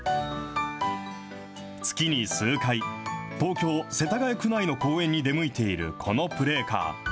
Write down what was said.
月に数回、東京・世田谷区内の公園に出向いているこのプレーカー。